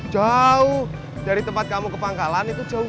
jauh dari tempat kamu ke pangkalan itu jauh